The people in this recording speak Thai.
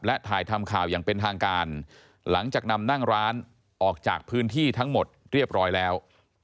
และถ่ายทำข่าวอย่างเป็นทางการหลังจากนำนั่งร้านออกจากพื้นที่ทั้งหมดเรียบร้อยแล้ว